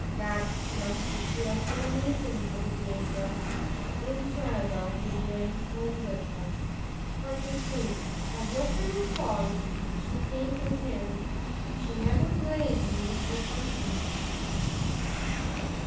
That she must be cheerful and easy in her behaviour, to whomsoever he brings home with him. 43. That whatever faults she sees in him, she never blame him before company.